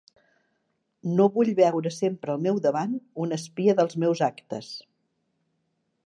No vull veure sempre al meu davant un espia dels meus actes.